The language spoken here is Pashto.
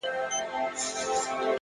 هر منزل نوی مسؤلیت راوړي،